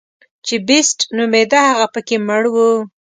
چې بېسټ نومېده هغه پکې مړ و.